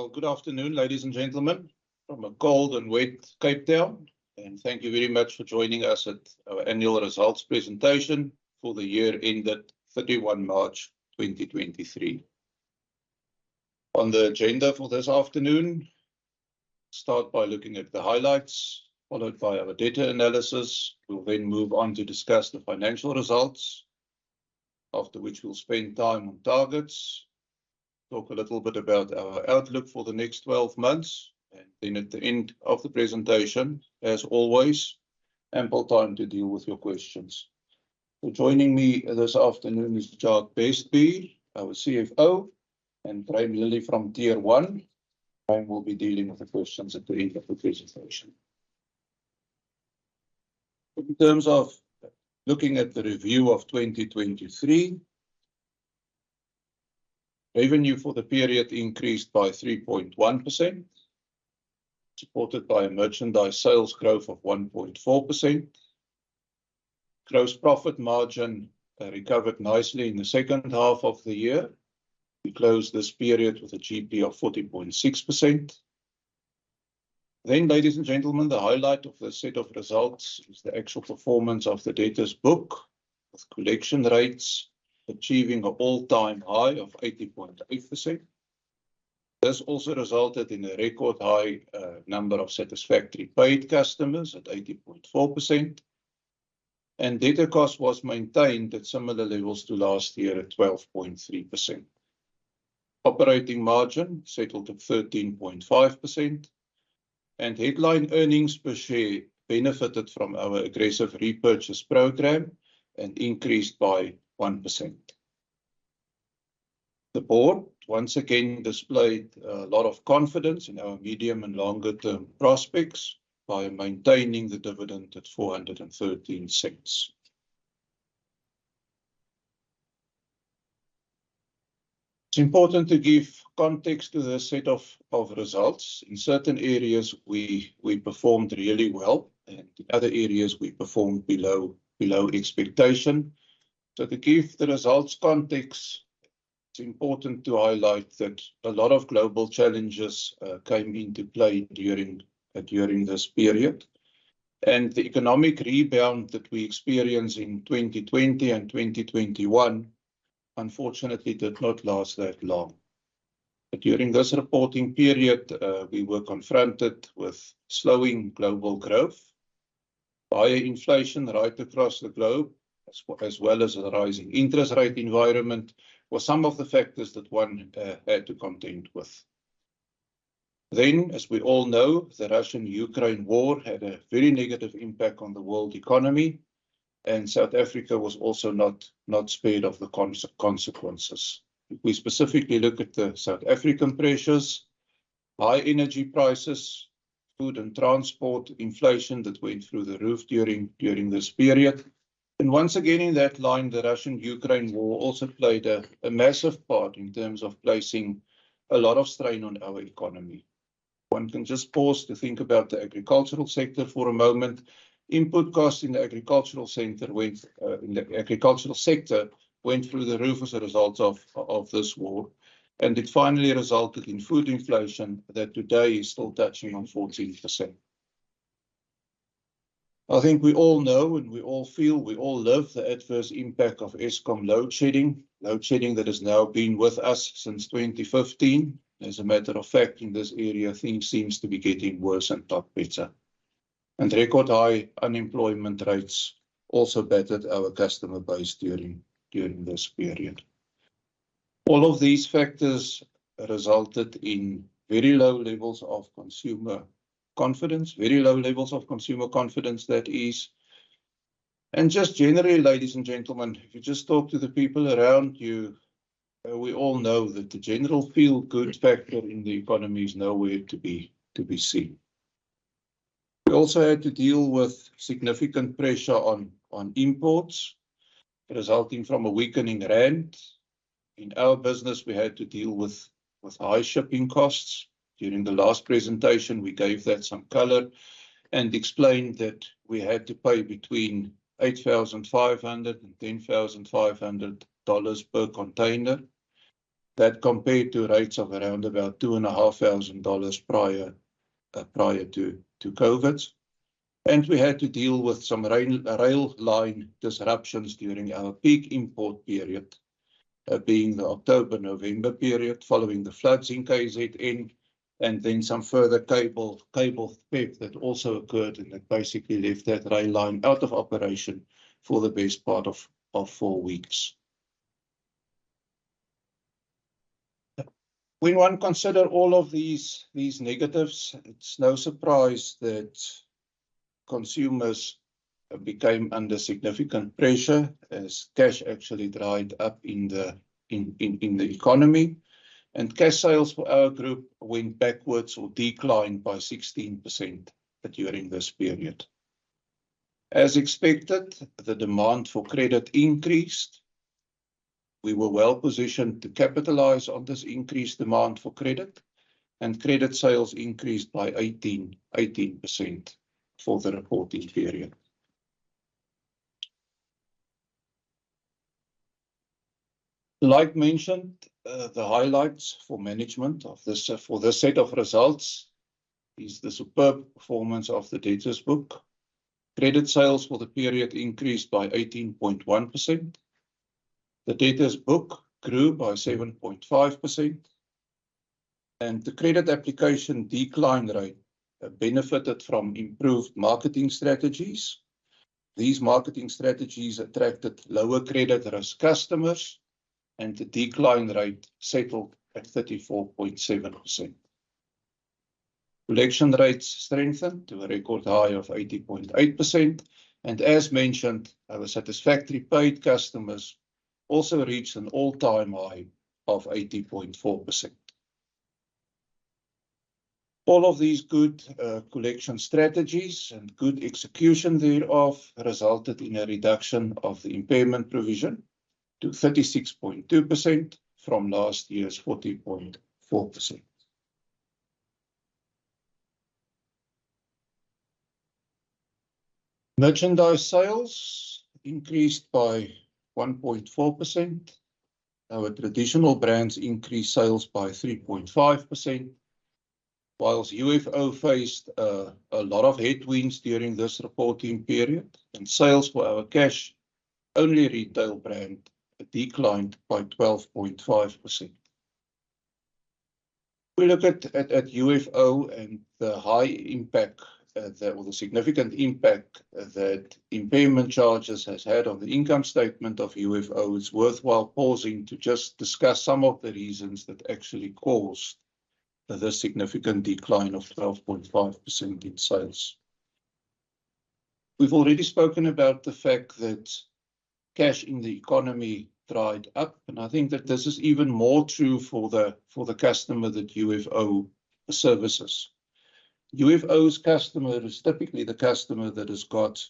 Well, good afternoon, ladies and gentlemen, from a cold and wet Cape Town, and thank you very much for joining us at our annual results presentation for the year ended 31 March 2023. On the agenda for this afternoon, start by looking at the highlights followed by our data analysis. We'll then move on to discuss the financial results, after which we'll spend time on targets, talk a little bit about our outlook for the next 12 months, and then at the end of the presentation, as always, ample time to deal with your questions. Joining me this afternoon is Jacques Bestbier, our CFO, and Graeme Lillie from Tier One. Graham will be dealing with the questions at the end of the presentation. In terms of looking at the review of 2023, revenue for the period increased by 3.1%, supported by merchandise sales growth of 1.4%. Gross profit margin recovered nicely in the second half of the year. We closed this period with a GP of 14.6%. Ladies and gentlemen, the highlight of this set of results is the actual performance of the debtors book, with collection rates achieving an all-time high of 80.8%. This also resulted in a record high number of satisfactory paid customers at 80.4%, and debtor cost was maintained at similar levels to last year, at 12.3%. Operating margin settled at 13.5%, and headline earnings per share benefited from our aggressive repurchase program and increased by 1%. The board once again displayed a lot of confidence in our medium and longer-term prospects by maintaining the dividend at 4.13. It's important to give context to this set of results. In certain areas, we performed really well, and in other areas we performed below expectation. To give the results context, it's important to highlight that a lot of global challenges came into play during this period. The economic rebound that we experienced in 2020 and 2021, unfortunately, did not last that long. During this reporting period, we were confronted with slowing global growth, higher inflation right across the globe, as well as a rising interest rate environment, were some of the factors that one had to contend with. As we all know, the Russia-Ukraine war had a very negative impact on the world economy, and South Africa was also not spared of the consequences. If we specifically look at the South African pressures, high energy prices, food and transport inflation that went through the roof during this period. Once again, in that line, the Russia-Ukraine war also played a massive part in terms of placing a lot of strain on our economy. One can just pause to think about the agricultural sector for a moment. Input costs in the agricultural sector went through the roof as a result of this war, and it finally resulted in food inflation that today is still touching on 14%. I think we all know and we all feel, we all live the adverse impact of Eskom load shedding, load shedding that has now been with us since 2015. As a matter of fact, in this area, things seems to be getting worse and not better. Record high unemployment rates also battered our customer base during this period. All of these factors resulted in very low levels of consumer confidence, that is. Just generally, ladies and gentlemen, if you just talk to the people around you, we all know that the general feel-good factor in the economy is nowhere to be seen. We also had to deal with significant pressure on imports, resulting from a weakening rand. In our business, we had to deal with high shipping costs. During the last presentation, we gave that some color and explained that we had to pay between $8,500 and $10,500 per container. That compared to rates of around about two and a half thousand dollars prior to COVID. We had to deal with some rail line disruptions during our peak import period, being the October-November period, following the floods in KZN, and then some further cable theft that also occurred, and that basically left that rail line out of operation for the best part of four weeks. When one consider all of these negatives, it's no surprise that consumers became under significant pressure as cash actually dried up in the economy. Cash sales for our group went backwards or declined by 16% during this period. As expected, the demand for credit increased. We were well positioned to capitalize on this increased demand for credit, and credit sales increased by 18% for the reporting period. Like mentioned, the highlights for management of this, for this set of results is the superb performance of the debtors book. Credit sales for the period increased by 18.1%. The debtors book grew by 7.5%, and the credit application decline rate benefited from improved marketing strategies. These marketing strategies attracted lower credit risk customers, and the decline rate settled at 34.7%. Collection rates strengthened to a record high of 80.8%, and as mentioned, our satisfactory paid customers also reached an all-time high of 80.4%. All of these good collection strategies and good execution thereof resulted in a reduction of the impairment provision to 36.2% from last year's 14.4%. Merchandise sales increased by 1.4%. Our traditional brands increased sales by 3.5%, whilst UFO faced a lot of headwinds during this reporting period, and sales for our cash-only retail brand declined by 12.5%. We look at UFO and the high impact or the significant impact that impairment charges has had on the income statement of UFO. It's worthwhile pausing to just discuss some of the reasons that actually caused the significant decline of 12.5% in sales. We've already spoken about the fact that cash in the economy dried up, and I think that this is even more true for the customer that UFO services. UFO's customer is typically the customer that has got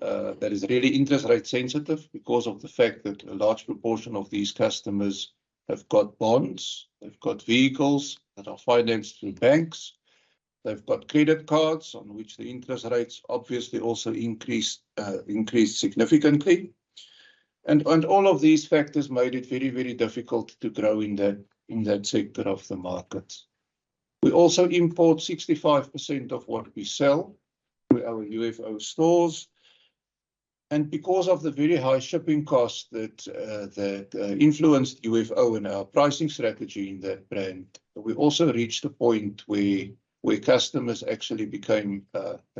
that is really interest rate sensitive because of the fact that a large proportion of these customers have got bonds, they've got vehicles that are financed through banks, they've got credit cards on which the interest rates obviously also increased significantly. All of these factors made it very, very difficult to grow in that sector of the market. We also import 65% of what we sell to our UFO stores. Because of the very high shipping costs that influenced UFO and our pricing strategy in that brand, we also reached a point where customers actually became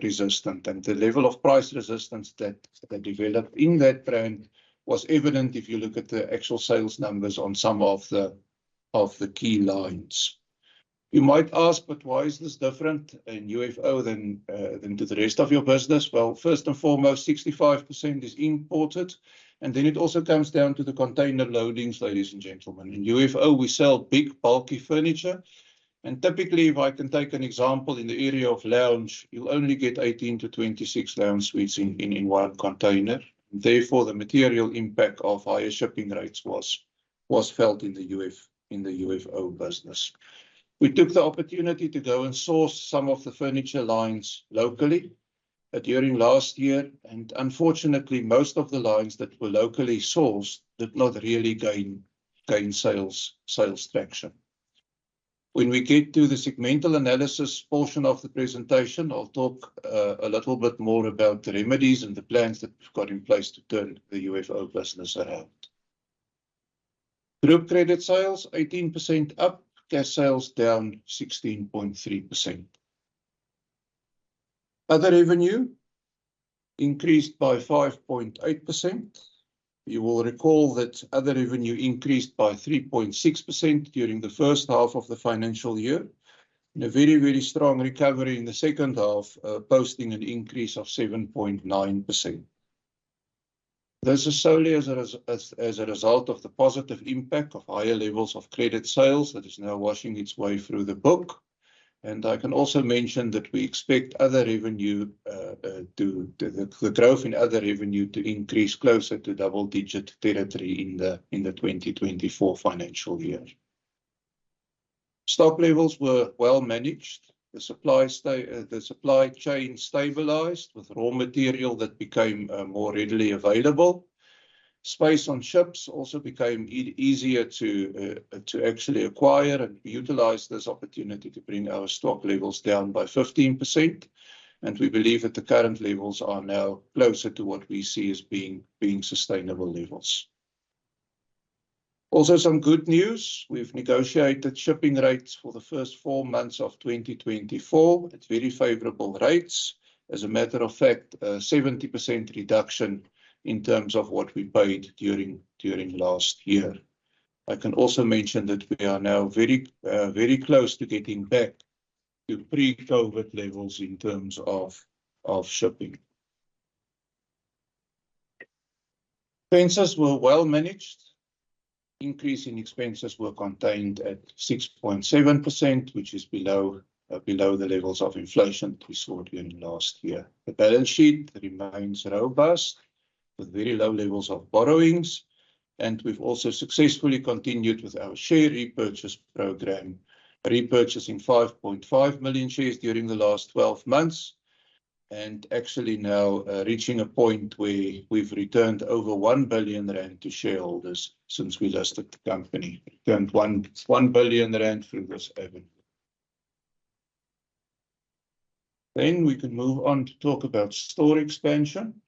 resistant. The level of price resistance that developed in that brand was evident if you look at the actual sales numbers on some of the key lines. You might ask: but why is this different in UFO than to the rest of your business? Well, first and foremost, 65% is imported, and then it also comes down to the container loadings, ladies and gentlemen. In UFO, we sell big, bulky furniture, and typically, if I can take an example, in the area of lounge, you'll only get 18-26 lounge suites in one container. Therefore, the material impact of higher shipping rates was felt in the UFO business. We took the opportunity to go and source some of the furniture lines locally during last year. Unfortunately, most of the lines that were locally sourced did not really gain sales traction. When we get to the segmental analysis portion of the presentation, I'll talk a little bit more about the remedies and the plans that we've got in place to turn the UFO business around. Group credit sales, 18% up. Cash sales, down 16.3%. Other revenue increased by 5.8%. You will recall that other revenue increased by 3.6% during the first half of the financial year. A very, very strong recovery in the second half, posting an increase of 7.9%. This is solely as a result of the positive impact of higher levels of credit sales that is now washing its way through the book. I can also mention that we expect other revenue. The growth in other revenue to increase closer to double-digit territory in the 2024 financial year. Stock levels were well managed. The supply chain stabilized with raw material that became more readily available. Space on ships also became easier to actually acquire and utilize this opportunity to bring our stock levels down by 15%, and we believe that the current levels are now closer to what we see as being sustainable levels. Also, some good news: we've negotiated shipping rates for the first 4 months of 2024 at very favorable rates. As a matter of fact, a 70% reduction in terms of what we paid during last year. I can also mention that we are now very close to getting back to pre-COVID levels in terms of shipping. Expenses were well managed. Increase in expenses were contained at 6.7%, which is below the levels of inflation we saw during last year. The balance sheet remains robust, with very low levels of borrowings, and we've also successfully continued with our share repurchase program, repurchasing 5.5 million shares during the last 12 months. Actually now, reaching a point where we've returned over 1 billion rand to shareholders since we listed the company. Returned 1 billion rand through this avenue. We can move on to talk about store expansion.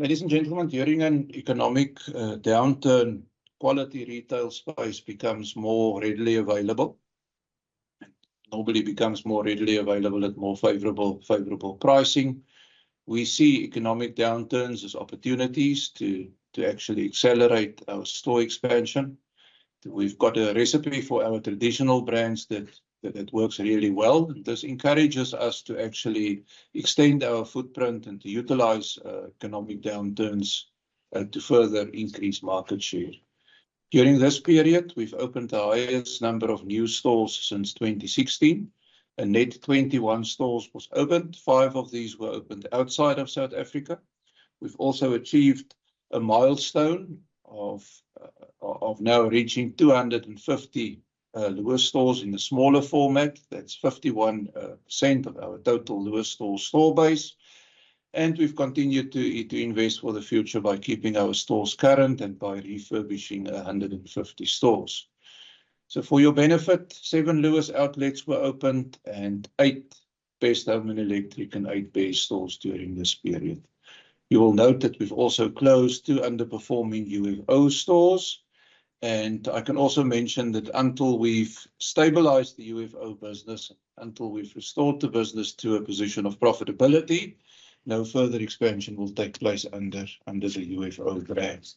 Ladies and gentlemen, during an economic downturn, quality retail space becomes more readily available, and normally becomes more readily available at more favorable pricing. We see economic downturns as opportunities to actually accelerate our store expansion. We've got a recipe for our traditional brands that works really well. This encourages us to actually extend our footprint and to utilize economic downturns to further increase market share. During this period, we've opened the highest number of new stores since 2016. A net 21 stores was opened. Five of these were opened outside of South Africa. We've also achieved a milestone of now reaching 250 Lewis stores in the smaller format. That's 51% of our total Lewis store base, we've continued to invest for the future by keeping our stores current and by refurbishing 150 stores. For your benefit, seven Lewis outlets were opened, eight PEP stores and Electric, and eight PEP stores during this period. You will note that we've also closed two underperforming UFO stores, I can also mention that until we've stabilized the UFO business, until we've restored the business to a position of profitability, no further expansion will take place under the UFO brands.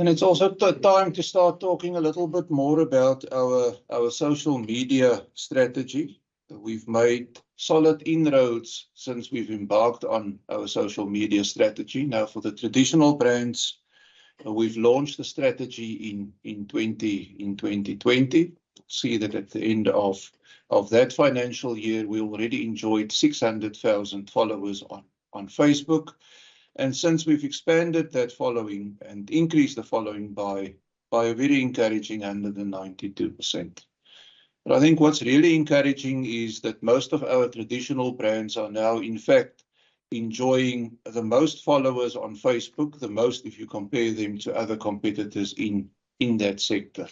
It's also time to start talking a little bit more about our social media strategy. We've made solid inroads since we've embarked on our social media strategy. Now, for the traditional brands, we've launched the strategy in 2020. See that at the end of that financial year, we already enjoyed 600,000 followers on Facebook. Since, we've expanded that following and increased the following by a very encouraging 192%. I think what's really encouraging is that most of our traditional brands are now, in fact, enjoying the most followers on Facebook, the most if you compare them to other competitors in that sector.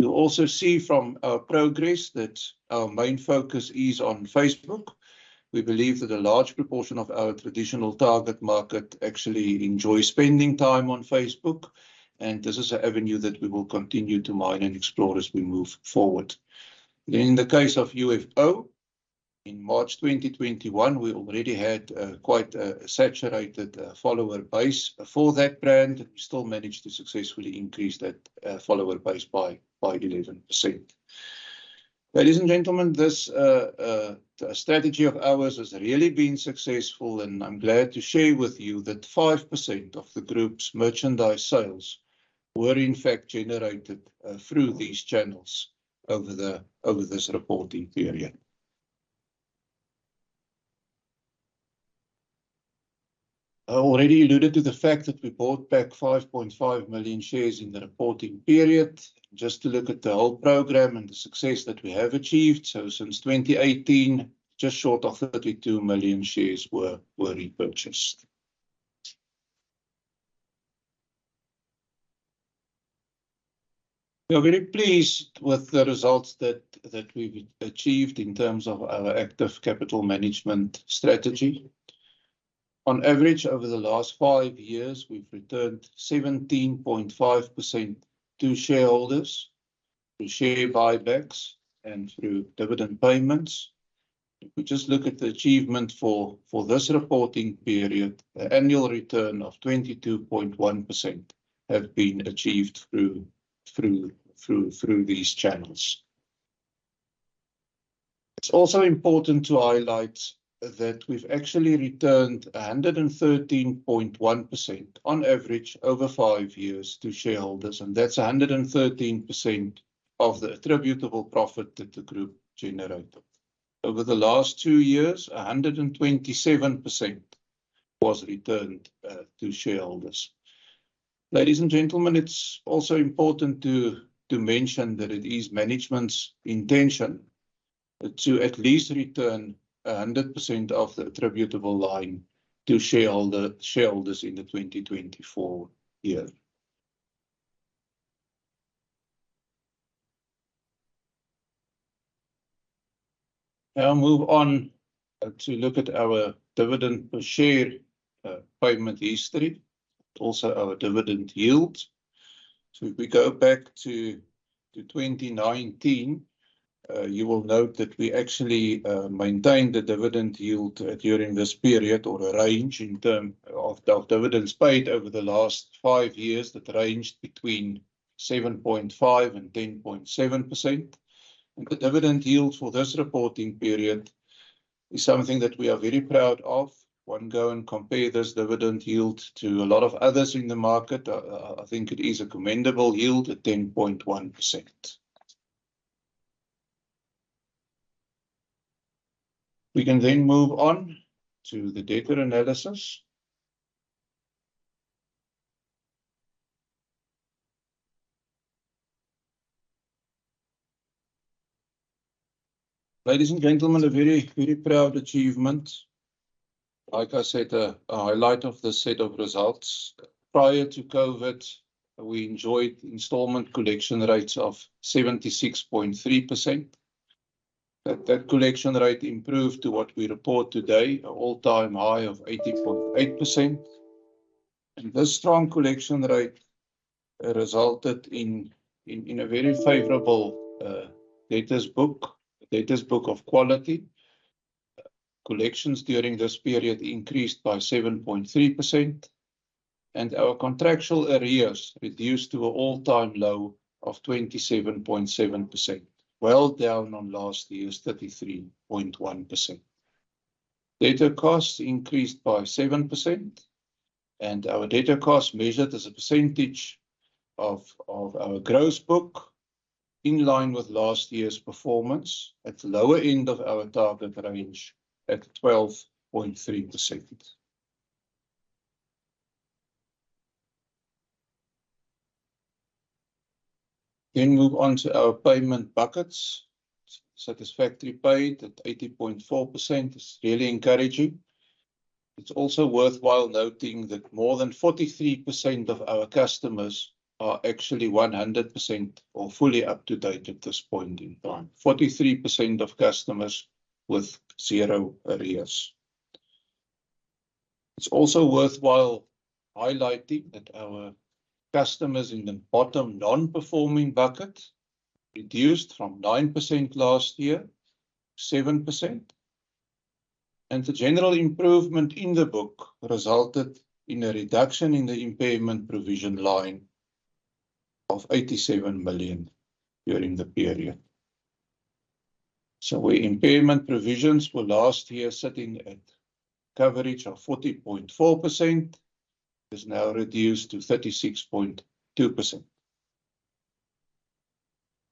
You'll also see from our progress that our main focus is on Facebook. We believe that a large proportion of our traditional target market actually enjoy spending time on Facebook. This is an avenue that we will continue to mine and explore as we move forward. In the case of UFO, in March 2021, we already had quite a saturated follower base for that brand, and we still managed to successfully increase that follower base by 11%. Ladies and gentlemen, this strategy of ours has really been successful. I'm glad to share with you that 5% of the group's merchandise sales were in fact generated through these channels over this reporting period. I already alluded to the fact that we bought back 5.5 million shares in the reporting period, just to look at the whole program and the success that we have achieved. Since 2018, just short of 32 million shares were repurchased. We are very pleased with the results that we've achieved in terms of our active capital management strategy. On average, over the last five years, we've returned 17.5% to shareholders through share buybacks and through dividend payments. We just look at the achievement for this reporting period, an annual return of 22.1% have been achieved through these channels. It's also important to highlight that we've actually returned 113.1% on average over five years to shareholders, and that's 113% of the attributable profit that the group generated. Over the last two years, 127% was returned to shareholders. Ladies and gentlemen, it's also important to mention that it is management's intention to at least return 100% of the attributable line to shareholders in the 2024 year. Now move on to look at our dividend per share payment history, also our dividend yield. If we go back to 2019, you will note that we actually maintained the dividend yield during this period, or a range in term of dividends paid over the last five years that ranged between 7.5% and 10.7%. The dividend yield for this reporting period is something that we are very proud of. One go and compare this dividend yield to a lot of others in the market, I think it is a commendable yield at 10.1%. We can then move on to the debtor analysis. Ladies and gentlemen, a very, very proud achievement. Like I said, a highlight of this set of results. Prior to COVID, we enjoyed installment collection rates of 76.3%. That collection rate improved to what we report today, an all-time high of 80.8%. This strong collection rate resulted in a very favorable debtors book of quality. Collections during this period increased by 7.3%, and our contractual arrears reduced to an all-time low of 27.7%, well down on last year's 33.1%. Debtor costs increased by 7%, and our debtor costs, measured as a percentage of our gross book, in line with last year's performance, at the lower end of our target range at 12.3%. Move on to our payment buckets. Satisfactorily paid at 80.4% is really encouraging. It's also worthwhile noting that more than 43% of our customers are actually 100% or fully up to date at this point in time. 43% of customers with zero arrears. It's also worthwhile highlighting that our customers in the bottom non-performing bucket reduced from 9% last year to 7%. The general improvement in the book resulted in a reduction in the impairment provision line of 87 million during the period. Where impairment provisions were last year sitting at coverage of 40.4%, is now reduced to 36.2%.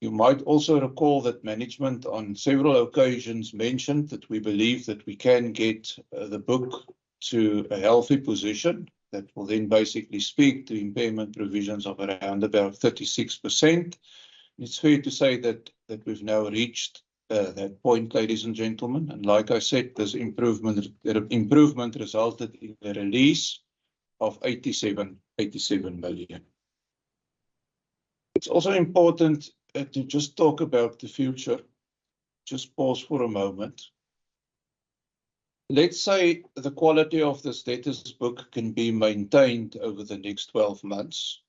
You might also recall that management, on several occasions, mentioned that we believe that we can get the book to a healthy position. That will then basically speak to impairment provisions of around about 36%. It's fair to say that we've now reached that point, ladies and gentlemen, like I said, this improvement resulted in a release of 87 million. It's also important to just talk about the future. Just pause for a moment. Let's say the quality of this debtors book can be maintained over the next 12 months.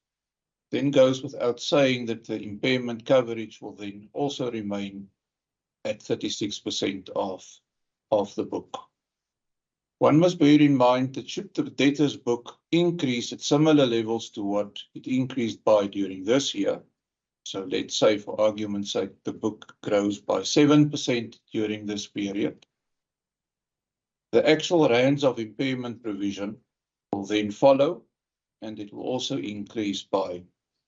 Goes without saying that the impairment coverage will then also remain at 36% of the book. One must bear in mind that should the debtors book increase at similar levels to what it increased by during this year, so let's say, for argument's sake, the book grows by 7% during this period, the actual rounds of impairment provision will then follow, and it will also increase by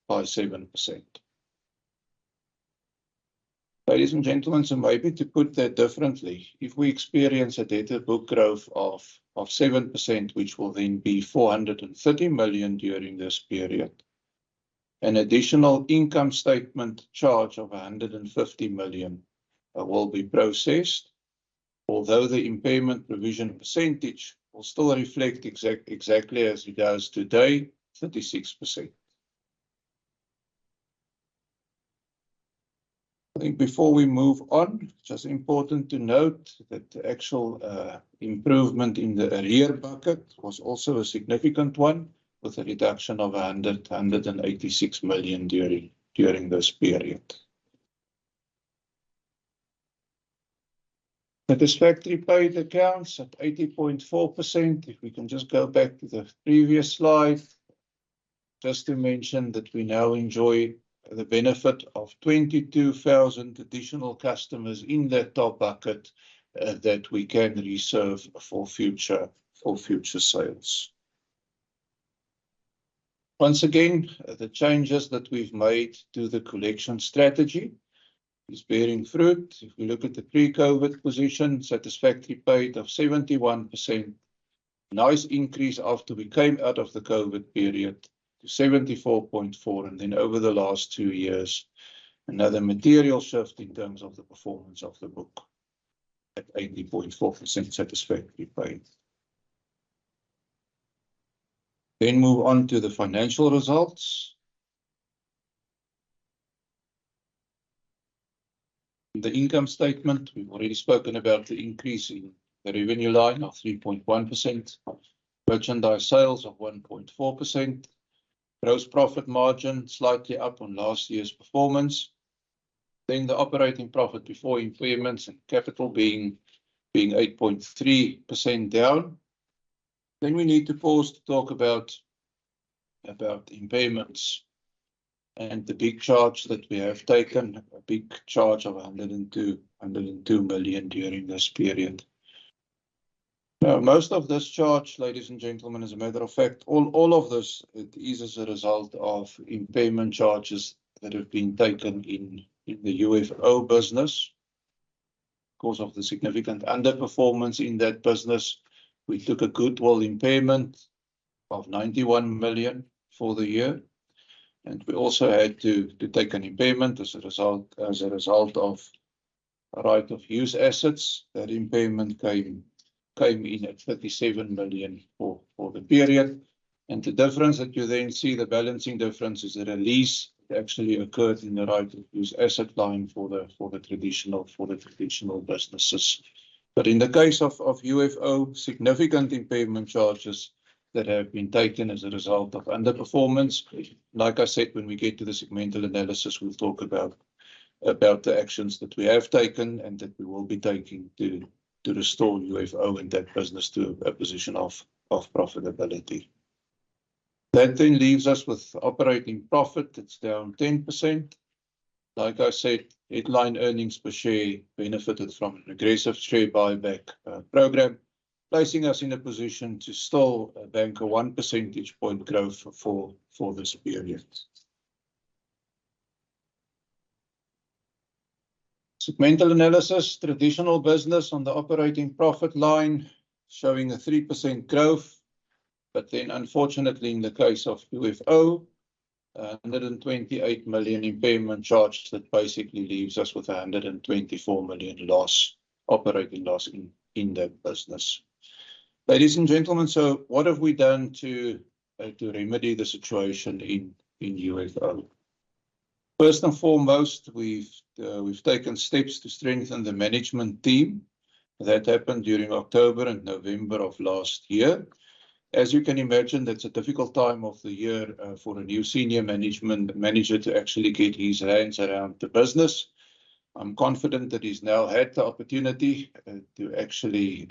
7%. Ladies and gentlemen, maybe to put that differently, if we experience a debtor book growth of 7%, which will then be 430 million during this period, an additional income statement charge of 150 million will be processed. Although the impairment provision percentage will still reflect exactly as it does today, 36%. I think before we move on, just important to note that the actual improvement in the arrear bucket was also a significant one, with a reduction of 186 million during this period. Satisfactorily paid accounts at 80.4%. If we can just go back to the previous slide, just to mention that we now enjoy the benefit of 22,000 additional customers in that top bucket that we can reserve for future sales. Once again, the changes that we've made to the collection strategy is bearing fruit. If we look at the pre-COVID position, satisfactorily paid of 71%. Nice increase after we came out of the COVID period to 74.4%. Over the last two years, another material shift in terms of the performance of the book at 80.4% satisfactorily paid. Move on to the financial results. The income statement, we've already spoken about the increase in the revenue line of 3.1%, merchandise sales of 1.4%. Gross profit margin slightly up on last year's performance. The operating profit before impairments and capital being 8.3% down. We need to pause to talk about the impairments and the big charge that we have taken. A big charge of 102 million during this period. Most of this charge, ladies and gentlemen, as a matter of fact, all of this is as a result of impairment charges that have been taken in the UFO business. Because of the significant underperformance in that business, we took a goodwill impairment of 91 million for the year, and we also had to take an impairment as a result of right-of-use assets. That impairment came in at 37 million for the period. The difference that you then see, the balancing difference, is a release that actually occurred in the right-of-use asset line for the traditional businesses. In the case of UFO, significant impairment charges that have been taken as a result of underperformance. Like I said, when we get to the segmental analysis, we'll talk about the actions that we have taken and that we will be taking to restore UFO and that business to a position of profitability. It leaves us with operating profit. It's down 10%. Like I said, headline earnings per share benefited from an aggressive share buyback program, placing us in a position to still bank a 1 percentage point growth for this period. Segmental analysis. Traditional business on the operating profit line showing a 3% growth, unfortunately, in the case of UFO, a 128 million impairment charge that basically leaves us with a 124 million loss, operating loss in that business. Ladies and gentlemen, what have we done to remedy the situation in UFO? First and foremost, we've taken steps to strengthen the management team. That happened during October and November of last year. As you can imagine, that's a difficult time of the year for a new senior management manager to actually get his hands around the business. I'm confident that he's now had the opportunity to actually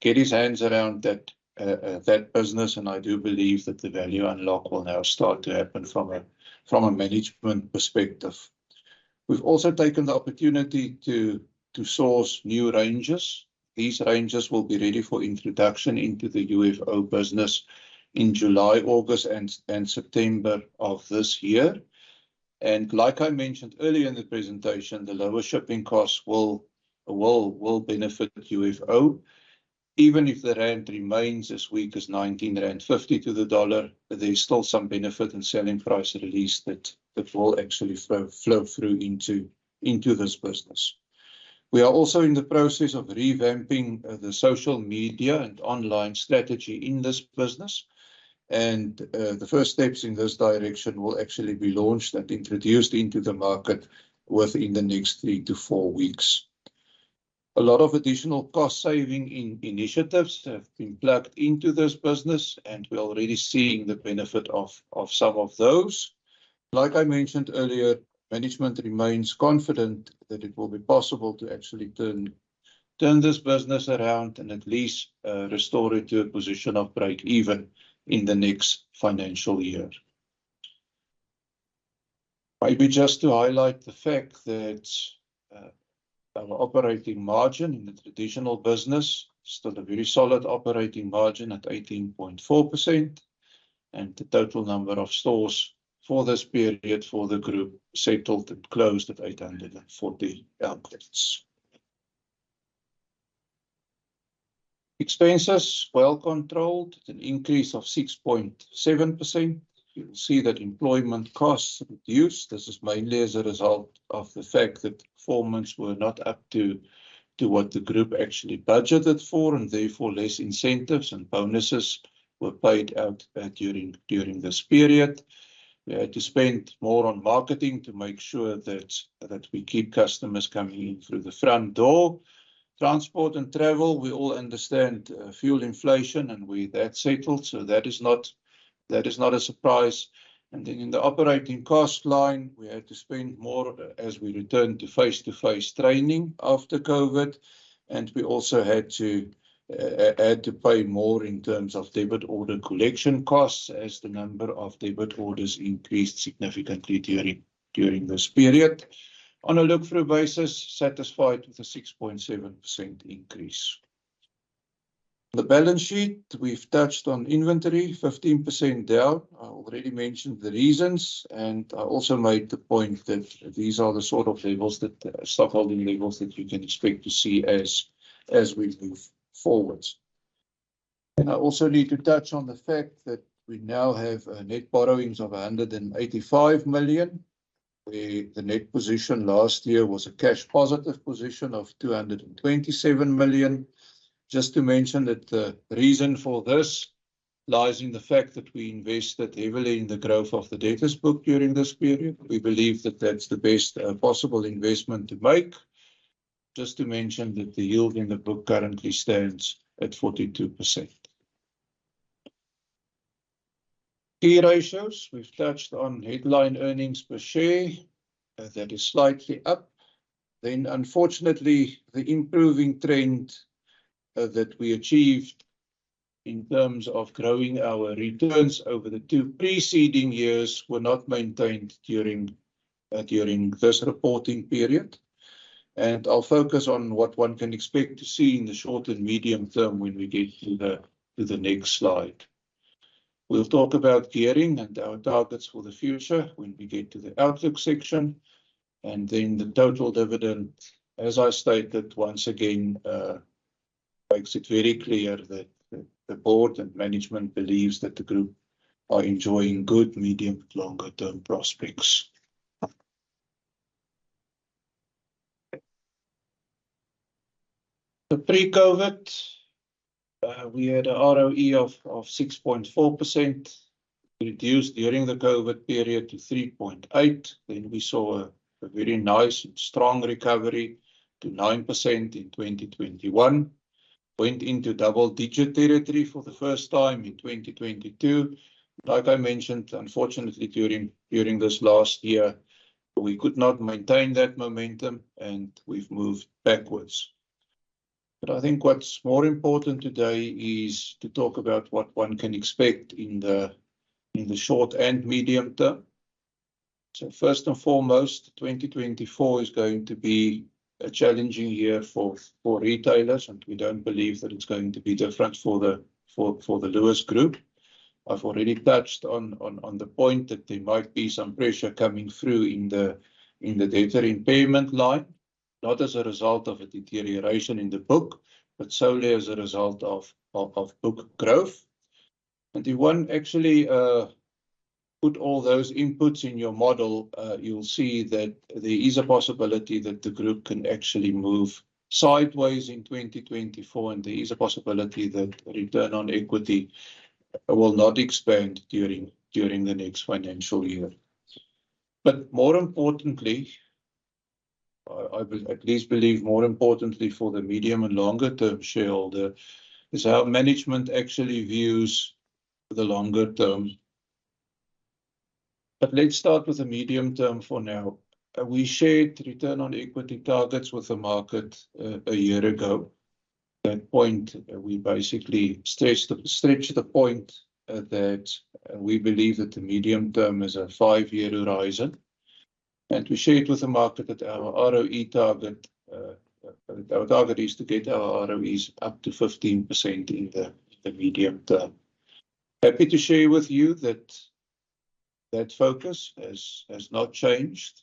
get his hands around that business, and I do believe that the value unlock will now start to happen from a management perspective. We've also taken the opportunity to source new ranges. These ranges will be ready for introduction into the UFO business in July, August, and September of this year. Like I mentioned earlier in the presentation, the lower shipping costs will benefit UFO. Even if the rand remains as weak as 19.50 rand to the US dollar, there is still some benefit in selling price release that will actually flow through into this business. We are also in the process of revamping the social media and online strategy in this business, and the first steps in this direction will actually be launched and introduced into the market within the next three to four weeks. A lot of additional cost-saving initiatives have been plugged into this business, and we're already seeing the benefit of some of those. Like I mentioned earlier, management remains confident that it will be possible to actually turn this business around and at least restore it to a position of break-even in the next financial year. Maybe just to highlight the fact that our operating margin in the traditional business is still a very solid operating margin at 18.4%, and the total number of stores for this period, for the group, settled and closed at 840 outlets. Expenses, well controlled, an increase of 6.7%. You'll see that employment costs reduced. This is mainly as a result of the fact that performance were not up to what the group actually budgeted for, and therefore, less incentives and bonuses were paid out during this period. We had to spend more on marketing to make sure that we keep customers coming in through the front door. Transport and travel, we all understand fuel inflation. That settled, so that is not a surprise. In the operating cost line, we had to spend more as we returned to face-to-face training after COVID, and we also had to pay more in terms of debit order collection costs, as the number of debit orders increased significantly during this period. On a look-through basis, satisfied with the 6.7% increase. The balance sheet, we've touched on inventory, 15% down. I already mentioned the reasons, and I also made the point that these are the sort of levels that stock holding levels that you can expect to see as we move forwards. I also need to touch on the fact that we now have a net borrowings of 185 million, where the net position last year was a cash positive position of 227 million. Just to mention that the reason for this lies in the fact that we invested heavily in the growth of the debtors book during this period. We believe that that's the best possible investment to make. Just to mention that the yield in the book currently stands at 42%. Key ratios, we've touched on headline earnings per share, that is slightly up. Unfortunately, the improving trend that we achieved in terms of growing our returns over the two preceding years were not maintained during this reporting period. I'll focus on what one can expect to see in the short and medium term when we get to the next slide. We'll talk about gearing and our targets for the future when we get to the outlook section. The total dividend, as I stated once again, makes it very clear that the board and management believes that the group are enjoying good, medium to longer term prospects. Pre-COVID, we had a ROE of 6.4%, reduced during the COVID period to 3.8%. We saw a very nice and strong recovery to 9% in 2021. Went into double digit territory for the first time in 2022. Like I mentioned, unfortunately, during this last year, we could not maintain that momentum. We've moved backwards. I think what's more important today is to talk about what one can expect in the short and medium term. First and foremost, 2024 is going to be a challenging year for retailers, and we don't believe that it's going to be different for the Lewis Group. I've already touched on the point that there might be some pressure coming through in the debtor impairment line, not as a result of a deterioration in the book, but solely as a result of book growth. If one actually put all those inputs in your model, you'll see that there is a possibility that the group can actually move sideways in 2024, and there is a possibility that return on equity will not expand during the next financial year. More importantly, I at least believe, more importantly, for the medium and longer term shareholder, is how management actually views the longer term. Let's start with the medium term for now. We shared return on equity targets with the market a year ago. That point, we basically stretched the point that we believe that the medium term is a five-year horizon. We shared with the market that our ROE target, our target is to get our ROEs up to 15% in the medium term. Happy to share with you that that focus has not changed.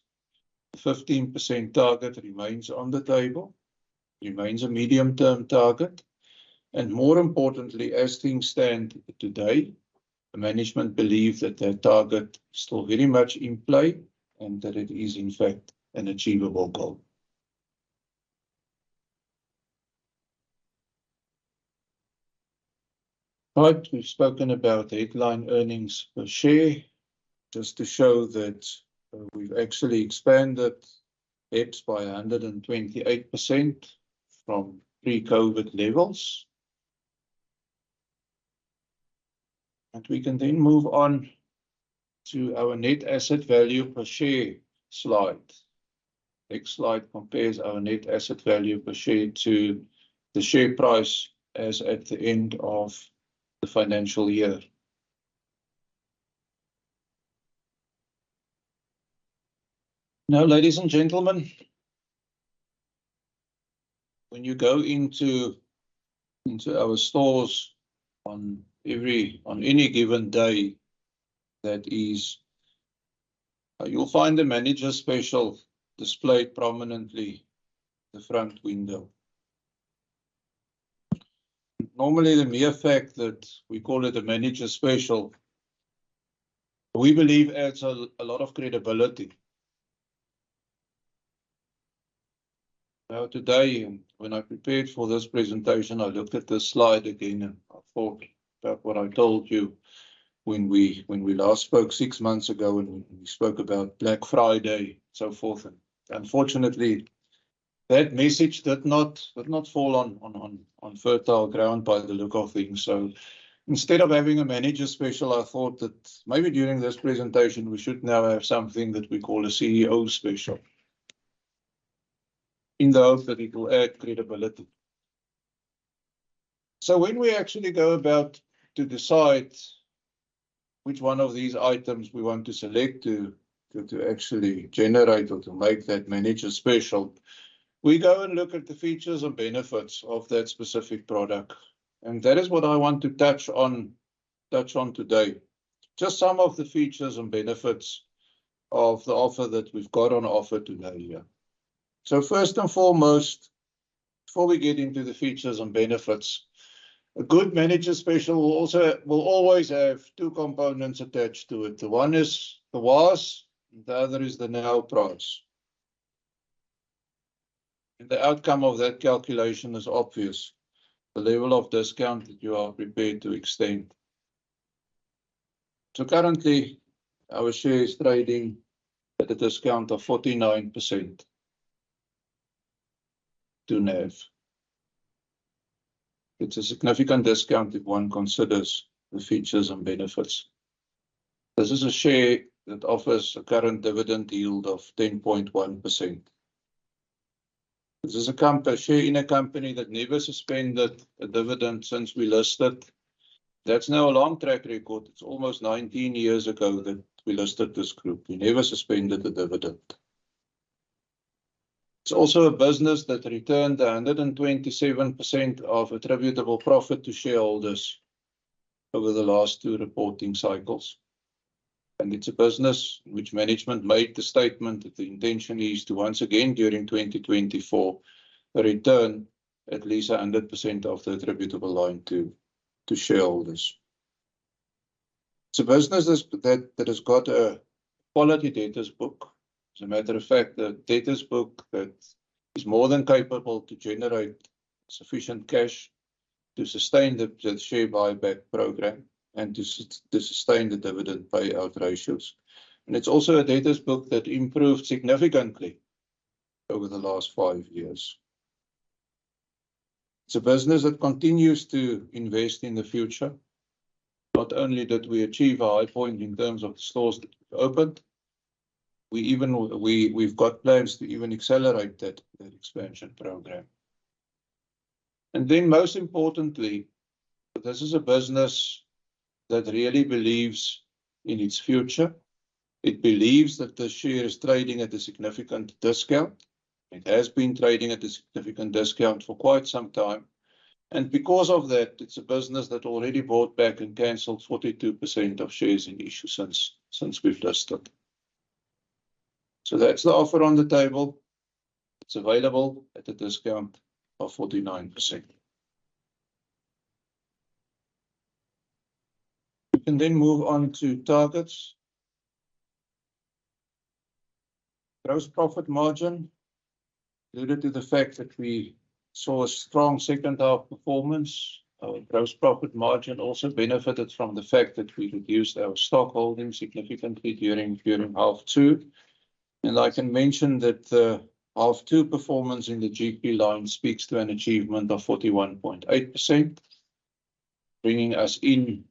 15% target remains on the table, remains a medium-term target, and more importantly, as things stand today, the management believe that that target still very much in play and that it is in fact an achievable goal. Right, we've spoken about the headline earnings per share, just to show that we've actually expanded EPS by 128% from pre-COVID levels. We can then move on to our net asset value per share slide. Next slide compares our net asset value per share to the share price as at the end of the financial year. Ladies and gentlemen, when you go into our stores on any given day, that is, you'll find the manager's special displayed prominently the front window. Normally, the mere fact that we call it a manager's special, we believe adds a lot of credibility. Today, when I prepared for this presentation, I looked at this slide again, and I thought about what I told you when we last spoke six months ago, and we spoke about Black Friday, so forth. Unfortunately, that message did not fall on fertile ground by the look of things. Instead of having a manager special, I thought that maybe during this presentation, we should now have something that we call a CEO special, in the hope that it will add credibility. When we actually go about to decide which one of these items we want to select to actually generate or to make that manager special, we go and look at the features and benefits of that specific product. That is what I want to touch on today. Just some of the features and benefits of the offer that we've got on offer today here. First and foremost, before we get into the features and benefits, a good manager special will always have two components attached to it. The one is the was, and the other is the now price. The outcome of that calculation is obvious, the level of discount that you are prepared to extend. Currently, our share is trading at a discount of 49% to NAV. It's a significant discount if one considers the features and benefits. This is a share that offers a current dividend yield of 10.1%. This is a company, a share in a company that never suspended a dividend since we listed. That's now a long track record. It's almost 19 years ago that we listed this group. We never suspended a dividend. It's also a business that returned 127% of attributable profit to shareholders over the last two reporting cycles. It's a business which management made the statement that the intention is to once again, during 2024, return at least 100% of the attributable line to shareholders. It's a business that has got a quality debtors book. As a matter of fact, a debtors book that is more than capable to generate sufficient cash to sustain the share buyback program and to sustain the dividend payout ratios. It's also a debtors book that improved significantly over the last five years. It's a business that continues to invest in the future. Not only did we achieve a high point in terms of the stores that we opened, we've got plans to even accelerate that expansion program. Most importantly, this is a business that really believes in its future. It believes that the share is trading at a significant discount. It has been trading at a significant discount for quite some time. Because of that, it's a business that already bought back and canceled 42% of shares in issue since we've listed. That's the offer on the table. It's available at a discount of 49%. We can then move on to targets. Gross profit margin, related to the fact that we saw a strong second half performance. Our gross profit margin also benefited from the fact that we reduced our stock holdings significantly during half two. I can mention that the half two performance in the GP line speaks to an achievement of 41.8%, bringing us in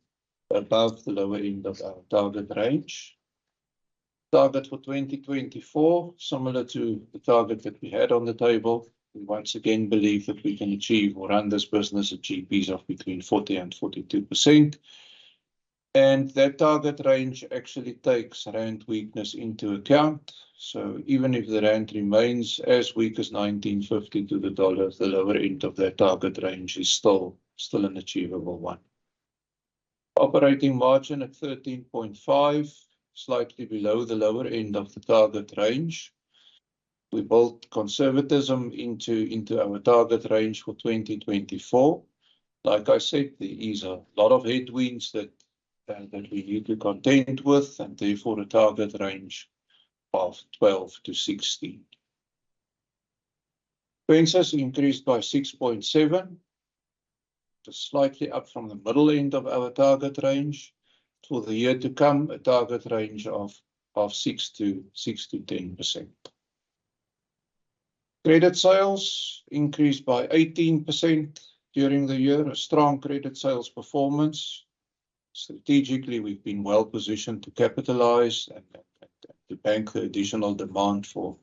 above the lower end of our target range. Target for 2024, similar to the target that we had on the table. We once again believe that we can achieve or run this business at GPs of between 40% and 42%, and that target range actually takes rand weakness into account. Even if the rand remains as weak as 19.50 to the dollar, the lower end of that target range is still an achievable one. Operating margin at 13.5%, slightly below the lower end of the target range. We built conservatism into our target range for 2024. Like I said, there is a lot of headwinds that we need to contend with, and therefore, a target range of 12%-16%. Expenses increased by 6.7%, just slightly up from the middle end of our target range. For the year to come, a target range of 6%-10%. Credit sales increased by 18% during the year, a strong credit sales performance. Strategically, we've been well positioned to capitalize and to bank the additional demand for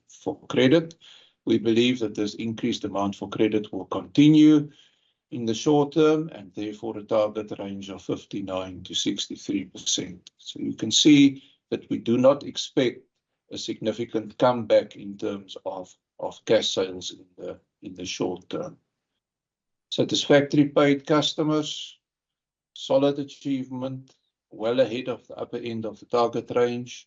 credit. We believe that this increased demand for credit will continue in the short term. Therefore, a target range of 59%-63%. You can see that we do not expect a significant comeback in terms of cash sales in the, in the short term. Satisfactory paid customers, solid achievement, well ahead of the upper end of the target range.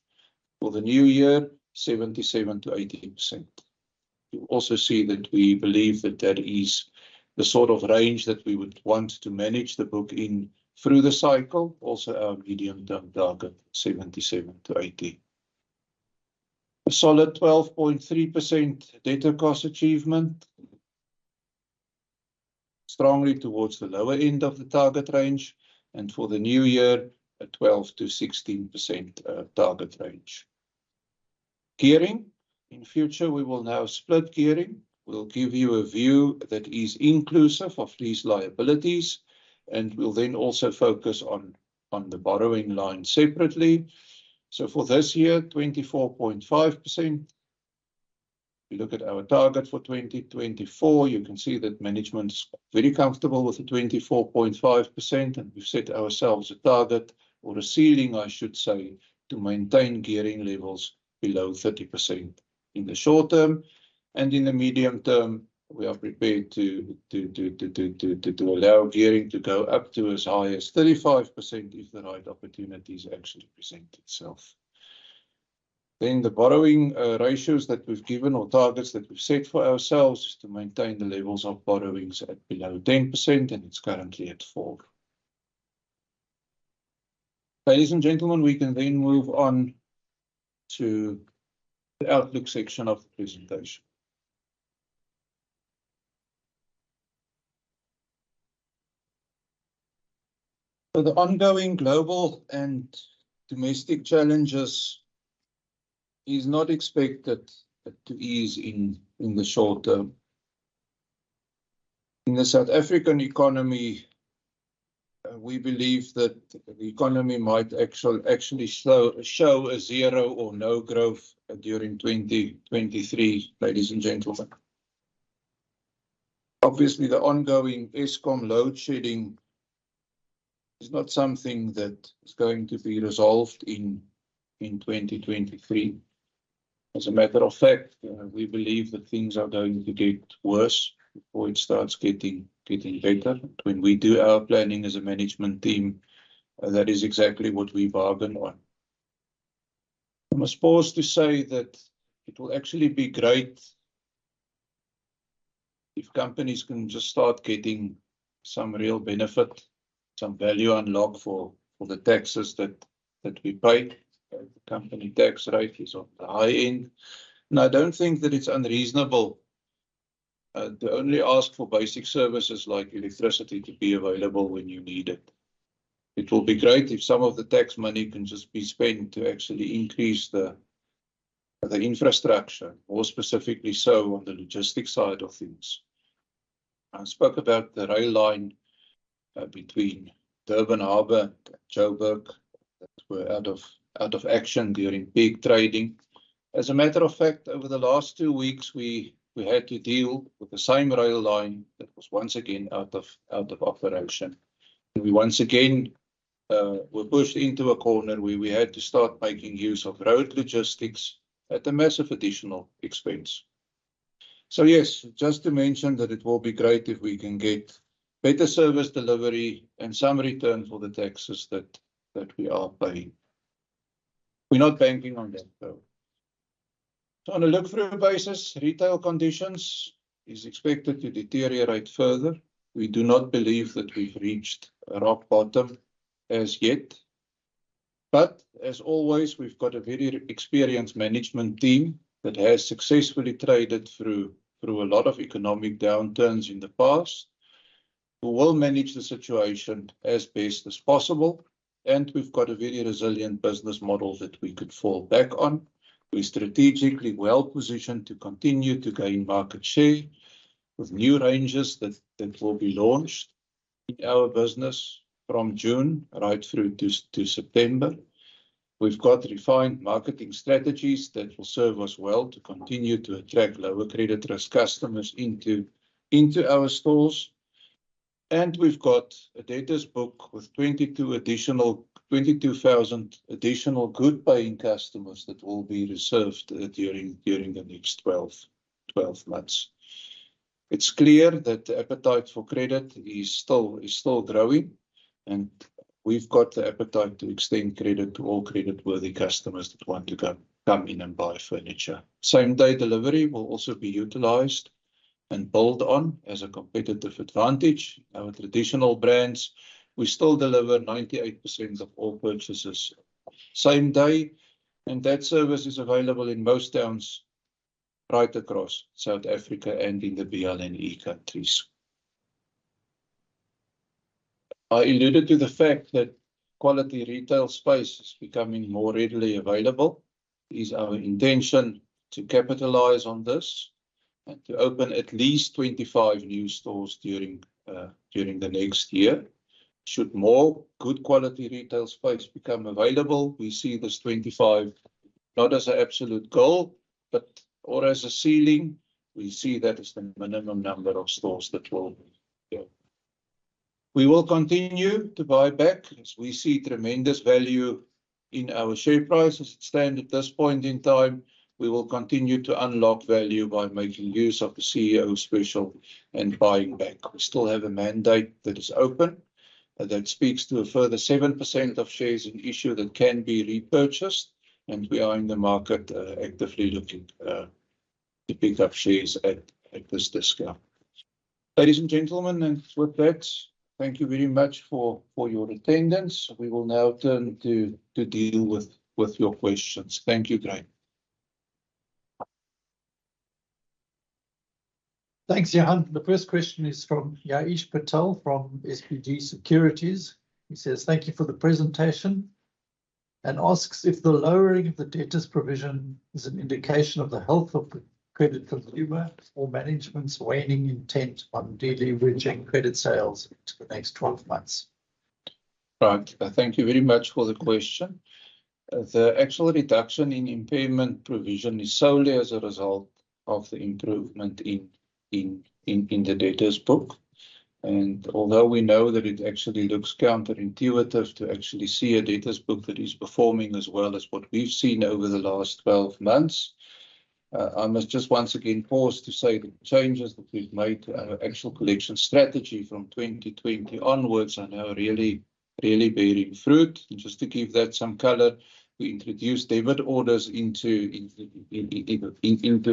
For the new year, 77%-80%. You'll also see that we believe that is the sort of range that we would want to manage the book in through the cycle. Our medium-term target, 77%-80%. A solid 12.3% debtor cost achievement. Strongly towards the lower end of the target range. For the new year, a 12%-16% target range. Gearing. In future, we will now split gearing. We'll give you a view that is inclusive of these liabilities, and we'll then also focus on the borrowing line separately. For this year, 24.5%. We look at our target for 2024. You can see that management's very comfortable with the 24.5%, and we've set ourselves a target or a ceiling, I should say, to maintain gearing levels below 30% in the short term. In the medium term, we are prepared to allow gearing to go up to as high as 35% if the right opportunities actually present itself. The borrowing ratios that we've given or targets that we've set for ourselves is to maintain the levels of borrowings at below 10%, and it's currently at four. Ladies and gentlemen, we can then move on to the outlook section of the presentation. The ongoing global and domestic challenges is not expected to ease in the short term. In the South African economy, we believe that the economy might actually slow, show a 0 or no growth during 2023, ladies and gentlemen. Obviously, the ongoing Eskom load shedding is not something that is going to be resolved in 2023. As a matter of fact, we believe that things are going to get worse before it starts getting better. When we do our planning as a management team, that is exactly what we bargain on. I'm supposed to say that it will actually be great if companies can just start getting some real benefit, some value unlocked for the taxes that we pay. The company tax rate is on the high end. I don't think that it's unreasonable to only ask for basic services like electricity to be available when you need it. It will be great if some of the tax money can just be spent to actually increase the infrastructure, more specifically so on the logistics side of things. I spoke about the rail line between Durban Harbor and Joburg that were out of action during peak trading. As a matter of fact, over the last two weeks, we had to deal with the same rail line that was once again out of operation. We once again were pushed into a corner where we had to start making use of road logistics at a massive additional expense. Yes, just to mention that it will be great if we can get better service delivery and some return for the taxes that we are paying. We're not banking on that, though. On a look-through basis, retail conditions is expected to deteriorate further. We do not believe that we've reached a rock bottom as yet, but as always, we've got a very experienced management team that has successfully traded through a lot of economic downturns in the past. We will manage the situation as best as possible, and we've got a very resilient business model that we could fall back on. We're strategically well positioned to continue to gain market share with new ranges that will be launched in our business from June right through to September. We've got refined marketing strategies that will serve us well to continue to attract lower credit risk customers into our stores. We've got a debtors book with 22,000 additional good-paying customers that will be reserved during the next 12 months. It's clear that the appetite for credit is still growing, and we've got the appetite to extend credit to all credit-worthy customers that want to come in and buy furniture. Same-day delivery will also be utilized and built on as a competitive advantage. Our traditional brands, we still deliver 98% of all purchases same-day. That service is available in most towns right across South Africa and in the BLNE countries. I alluded to the fact that quality retail space is becoming more readily available. It is our intention to capitalize on this and to open at least 25 new stores during the next year. Should more good quality retail space become available, we see this 25 not as an absolute goal, but or as a ceiling. We see that as the minimum number of stores that will open. We will continue to buy back, as we see tremendous value in our share price as it stand at this point in time. We will continue to unlock value by making use of the CEO special and buying back. We still have a mandate that is open, that speaks to a further 7% of shares in issue that can be repurchased, we are in the market actively looking to pick up shares at this discount. Ladies and gentlemen, with that, thank you very much for your attendance. We will now turn to deal with your questions. Thank you, Graham. Thanks, Johan. The first question is from Ya'eesh Patel from SBG Securities. He says, "Thank you for the presentation," and asks: "If the lowering of the debtors provision is an indication of the health of the credit consumer or management's waning intent on de-leveraging credit sales into the next 12 months? Right. Thank you very much for the question. The actual reduction in impairment provision is solely as a result of the improvement in the debtors book. Although we know that it actually looks counterintuitive to actually see a debtors book that is performing as well as what we've seen over the last 12 months, I must just once again pause to say the changes that we've made to our actual collection strategy from 2020 onwards are now really bearing fruit. Just to give that some color, we introduced debit orders into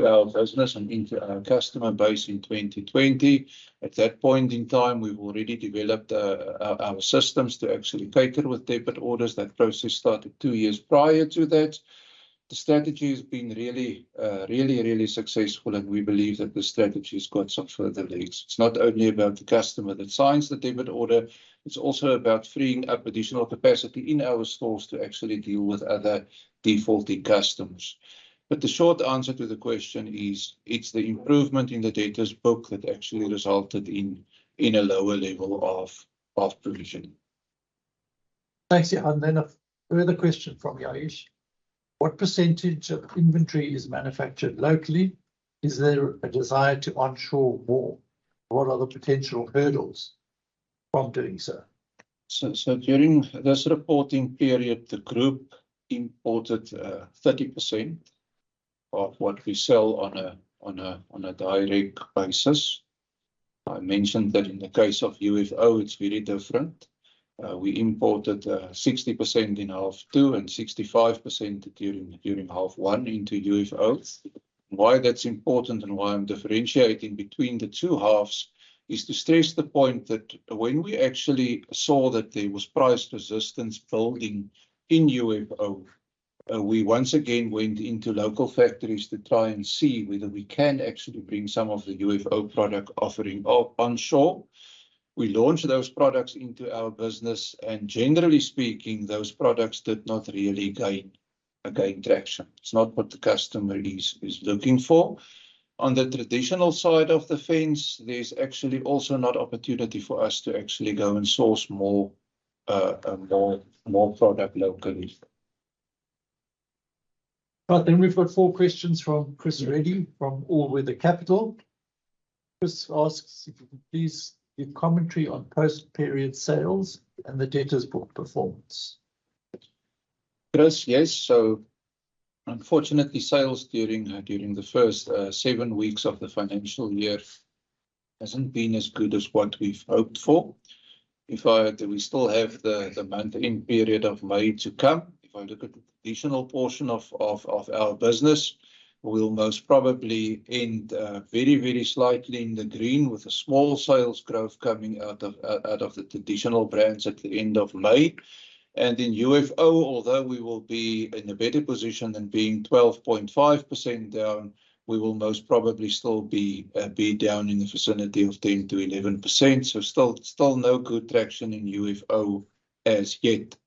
our business and into our customer base in 2020. At that point in time, we've already developed our systems to actually cater with debit orders. That process started two years prior to that. The strategy has been really successful, and we believe that the strategy has got some further legs. It's not only about the customer that signs the debit order, it's also about freeing up additional capacity in our stores to actually deal with other defaulting customers. The short answer to the question is, it's the improvement in the debtors book that actually resulted in a lower level of provision. Thanks. Yeah, a further question from Ya'eesh. What percentage of inventory is manufactured locally? Is there a desire to onshore more? What are the potential hurdles from doing so? During this reporting period, the group imported 30% of what we sell on a direct basis. I mentioned that in the case of UFO, it's very different. We imported 60% in half two and 65% during half one into UFO. Why that's important and why I'm differentiating between the two halves is to stress the point that when we actually saw that there was price resistance building in UFO, we once again went into local factories to try and see whether we can actually bring some of the UFO product offering up onshore. We launched those products into our business, and generally speaking, those products did not really gain traction. It's not what the customer is looking for. On the traditional side of the fence, there's actually also not opportunity for us to actually go and source more product locally. We've got four questions from Chris Reddy, from All Weather Capital. Chris asks, "If you could please give commentary on post-period sales and the debtors book performance? Chris, yes. Unfortunately, sales during the first seven weeks of the financial year hasn't been as good as what we've hoped for. We still have the month-end period of May to come. If I look at the traditional portion of our business, we'll most probably end very, very slightly in the green, with a small sales growth coming out of the traditional brands at the end of May. In UFO, although we will be in a better position than being 12.5% down, we will most probably still be down in the vicinity of 10%-11%. Still no good traction in UFO as yet.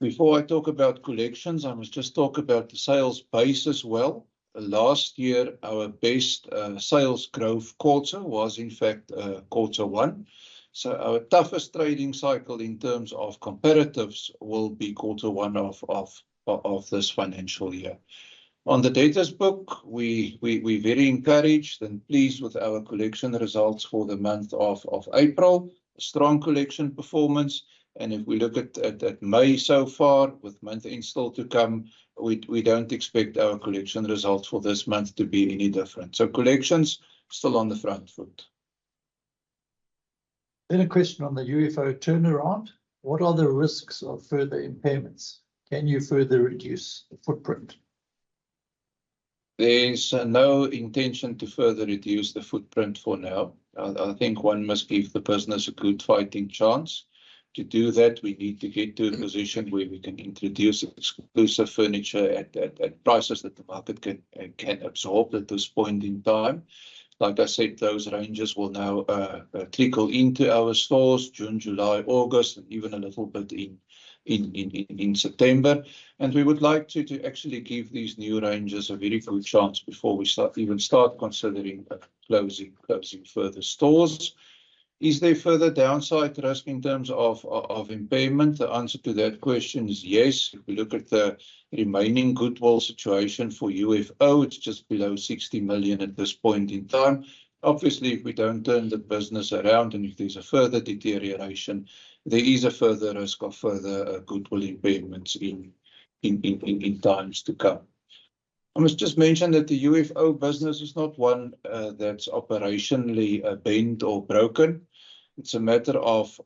Before I talk about collections, I must just talk about the sales base as well. Last year, our best sales growth quarter was in fact quarter one. Our toughest trading cycle in terms of comparatives will be quarter one of this financial year. On the debtors book, we're very encouraged and pleased with our collection results for the month of April. Strong collection performance, if we look at May so far, with month end still to come, we don't expect our collection results for this month to be any different. Collections still on the front foot. A question on the UFO turnaround: What are the risks of further impairments? Can you further reduce the footprint? There's no intention to further reduce the footprint for now. I think one must give the business a good fighting chance. To do that, we need to get to a position where we can introduce exclusive furniture at prices that the market can absorb at this point in time. Like I said, those ranges will now trickle into our stores June, July, August, and even a little bit in September. We would like to actually give these new ranges a very good chance before we even start considering closing further stores. Is there further downside risk in terms of impairment? The answer to that question is yes. If we look at the remaining goodwill situation for UFO, it's just below 60 million at this point in time. Obviously, if we don't turn the business around, and if there's a further deterioration, there is a further risk of further goodwill impairments in times to come. I must just mention that the UFO business is not one that's operationally bent or broken. It's a matter of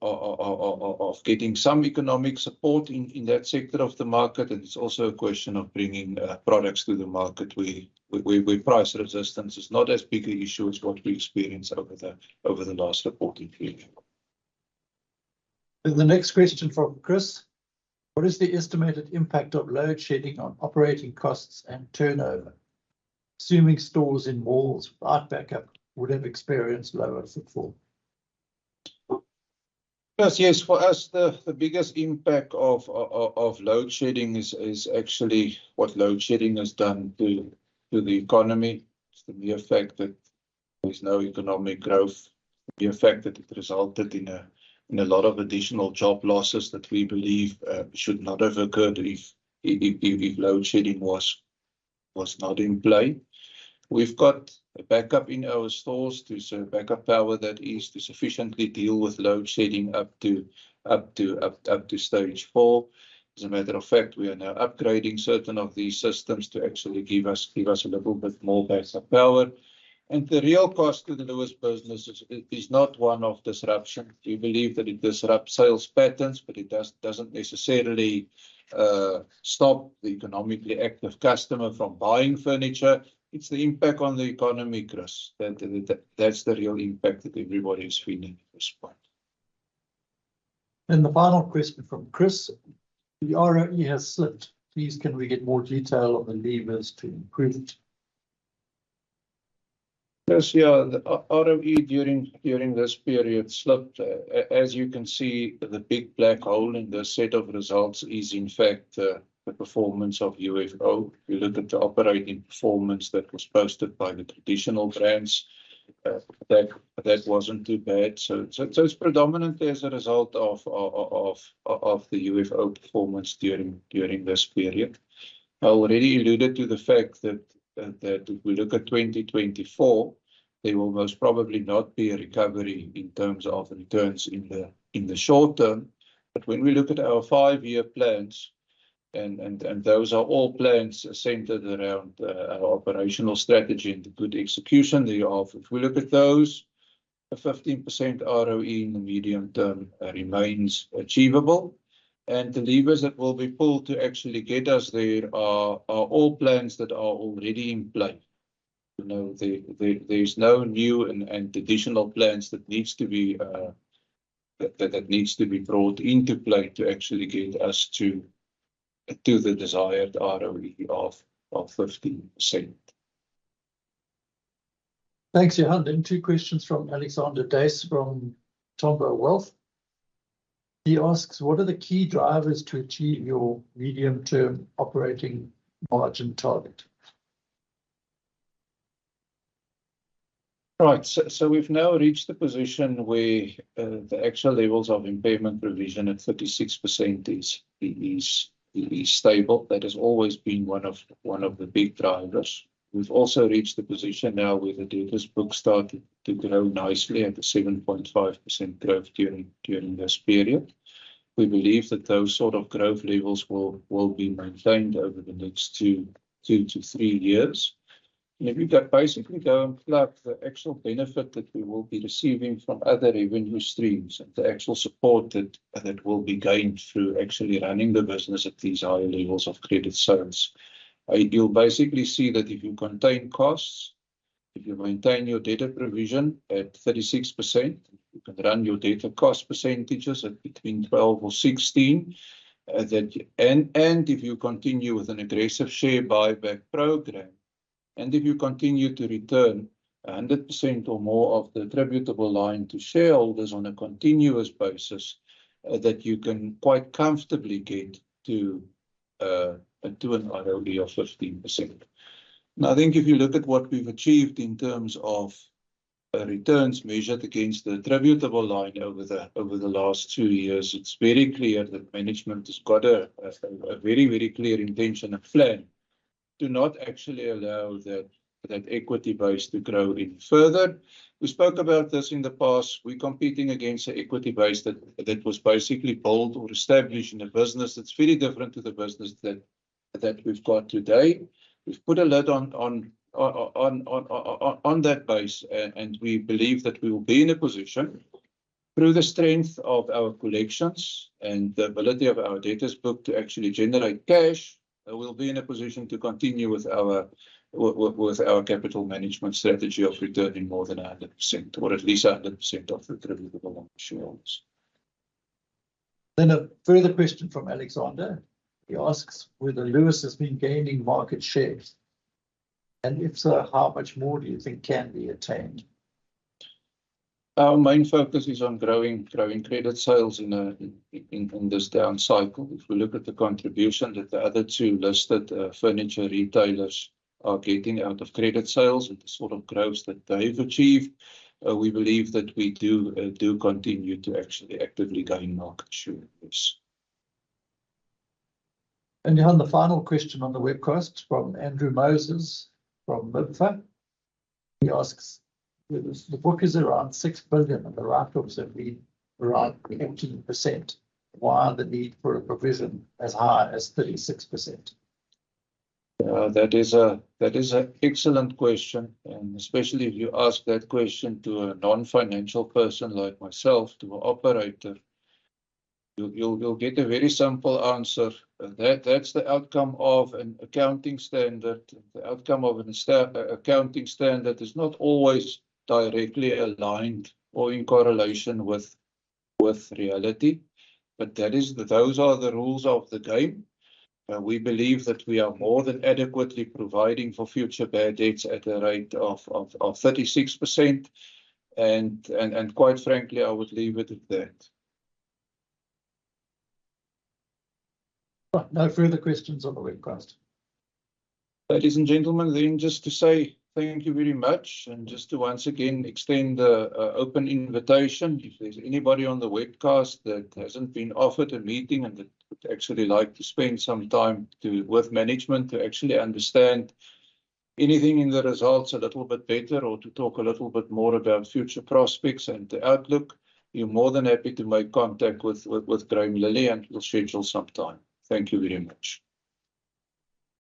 getting some economic support in that sector of the market, and it's also a question of bringing products to the market where we where price resistance is not as big an issue as what we experienced over the last reporting period. The next question from Chris: What is the estimated impact of load shedding on operating costs and turnover, assuming stores in malls without backup would have experienced lower footfall? Chris, yes. For us, the biggest impact of load shedding is actually what load shedding has done to the economy. It's the effect that there's no economic growth, the effect that it resulted in a lot of additional job losses that we believe should not have occurred if load shedding was not in play. We've got a backup in our stores to backup power that is to sufficiently deal with load shedding up to stage four. As a matter of fact, we are now upgrading certain of these systems to actually give us a little bit more backup power. The real cost to the Lewis business is not one of disruption. We believe that it disrupts sales patterns, but it doesn't necessarily stop the economically active customer from buying furniture. It's the impact on the economy, Chris, that that's the real impact that everybody is feeling at this point. The final question from Chris: The ROE has slipped. Please can we get more detail on the levers to improve it? Yes. Yeah, the ROE during this period slipped. As you can see, the big black hole in this set of results is, in fact, the performance of UFO. If you look at the operating performance that was posted by the traditional brands, that wasn't too bad. It's predominantly as a result of the UFO performance during this period. I already alluded to the fact that if we look at 2024, there will most probably not be a recovery in terms of returns in the short term. When we look at our five-year plans, and those are all plans centered around, our operational strategy and the good execution thereof. If we look at those, a 15% ROE in the medium term, remains achievable, and the levers that will be pulled to actually get us there are all plans that are already in play. You know, there's no new and additional plans that needs to be brought into play to actually get us to the desired ROE of 15%. Thanks, Johan. Two questions from Alexander Dace, from Umthombo Wealth. He asks: "What are the key drivers to achieve your medium-term operating margin target? Right. We've now reached the position where the actual levels of impairment provision at 36% is stable. That has always been one of the big drivers. We've also reached the position now where the debtors book started to grow nicely at the 7.5% growth during this period. We believe that those sort of growth levels will be maintained over the next 2-3 years. If you can basically go and plug the actual benefit that we will be receiving from other revenue streams, and the actual support that will be gained through actually running the business at these higher levels of credit sales. You'll basically see that if you contain costs, if you maintain your debtor provision at 36%, you can run your debtor cost percentages at between 12% or 16%. If you continue with an aggressive share buyback program, and if you continue to return 100% or more of the attributable line to shareholders on a continuous basis, that you can quite comfortably get to an ROE of 15%. Now, I think if you look at what we've achieved in terms of returns measured against the attributable line over the last two years, it's very clear that management has got a very, very clear intention and plan to not actually allow that equity base to grow any further. We spoke about this in the past. We're competing against an equity base that was basically built or established in a business that's very different to the business that we've got today. We've put a lid on that base, and we believe that we will be in a position, through the strength of our collections and the ability of our debtors book to actually generate cash, we'll be in a position to continue with our capital management strategy of returning more than 100%, or at least 100% of attributable shareholders. A further question from Alexander. He asks whether Lewis has been gaining market shares, and if so, how much more do you think can be attained? Our main focus is on growing credit sales in this down cycle. If we look at the contribution that the other two listed furniture retailers are getting out of credit sales and the sort of growth that they've achieved, we believe that we do continue to actually actively gain market shares. Johann, the final question on the webcast from Andrew Moses, from BIFSA. He asks: "The book is around 6 billion, and the write-offs have been around 18%. Why the need for a provision as high as 36%? That is a excellent question, especially if you ask that question to a non-financial person like myself, to an operator. You'll get a very simple answer. That's the outcome of an accounting standard. The outcome of an accounting standard is not always directly aligned or in correlation with reality, but that is the. Those are the rules of the game. We believe that we are more than adequately providing for future bad debts at a rate of 36%. Quite frankly, I would leave it at that. Well, no further questions on the webcast. Ladies and gentlemen, just to say thank you very much, just to once again extend a open invitation. If there's anybody on the webcast that hasn't been offered a meeting and that would actually like to spend some time with management to actually understand anything in the results a little bit better, or to talk a little bit more about future prospects and the outlook, you're more than happy to make contact with Graham Lilley, and we'll schedule some time. Thank you very much.